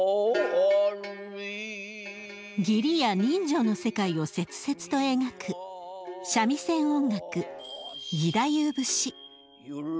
辺り義理や人情の世界を切々と描く三味線音楽義太夫節。